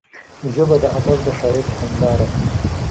ژبه د ادب د ښايست هنداره ده